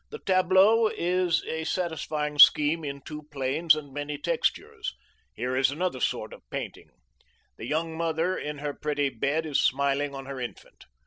The tableau is a satisfying scheme in two planes and many textures. Here is another sort of painting. The young mother in her pretty bed is smiling on her infant.